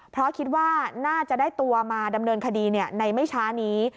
เพราะคิดว่าน่าจะได้ตัวมาดำเนินคดีในไม่ช้านี้